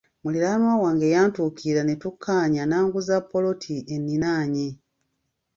Muliraanwa wange yantuukirira ne tukkaanya n’anguza ppoloti enninaanye.